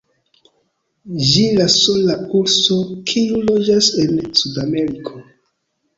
Ĝi la sola urso, kiu loĝas en Sudameriko.